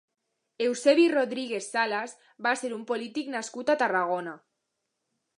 Eusebi Rodríguez Salas va ser un polític nascut a Tarragona.